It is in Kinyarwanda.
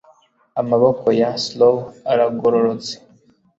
amaboko ya sloe aragororotse